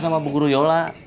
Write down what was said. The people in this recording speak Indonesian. sama bu guru yola